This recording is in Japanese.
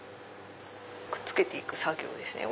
くっつけていく作業ですね。